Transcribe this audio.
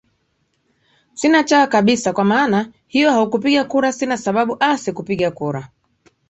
sinachawa kabisa kwa maana hiyo haukupiga kura sina sababu aa sikupiga kura